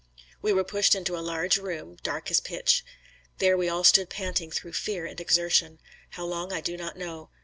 We were pushed into a large room, dark as pitch. There we all stood panting through fear and exertion. How long, I do not know.